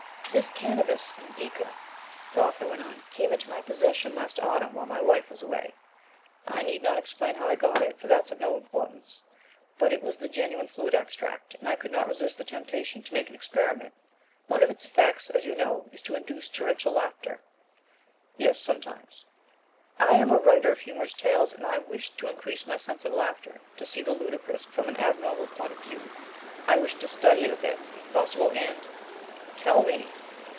"This Cannabis indica," the author went on, "came into my possession last autumn while my wife was away. I need not explain how I got it, for that has no importance; but it was the genuine fluid extract, and I could not resist the temptation to make an experiment. One of its effects, as you know, is to induce torrential laughter " "Yes; sometimes." " I am a writer of humorous tales, and I wished to increase my own sense of laughter to see the ludicrous from an abnormal point of view. I wished to study it a bit, if possible, and " "Tell me!"